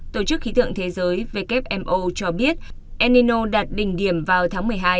tổ chức khí tượng thế giới wmo cho biết enino đạt đỉnh điểm vào tháng một mươi hai